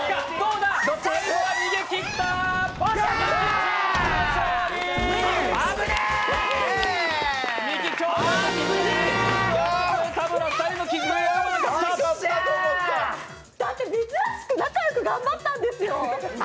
だって珍しく仲良く頑張ったんですよ！